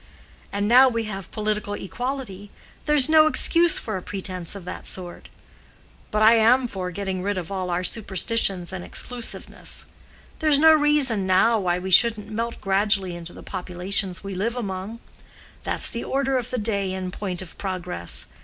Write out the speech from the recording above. And now we have political equality, there's no excuse for a pretense of that sort. But I am for getting rid of all of our superstitions and exclusiveness. There's no reason now why we shouldn't melt gradually into the populations we live among. That's the order of the day in point of progress.